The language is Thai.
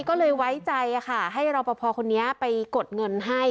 ก็เลยไว้ใจค่ะให้รอปภคนนี้ไปกดเงินให้